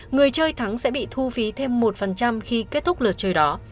người chơi thắng sẽ bị thu phí thêm một khi kết thúc lượt chơi đó